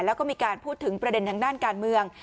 แล้วก็มีการพูดถึงประเด็นทางด้านการเมือง